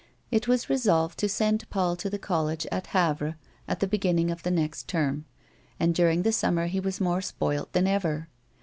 It was resolved to send Paul to the college at Havre at the beginning of the next term, and during the summer he was mere spoilt than ever.